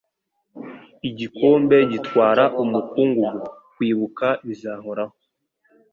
Igikombe gitwara umukungugu. Kwibuka bizahoraho. ”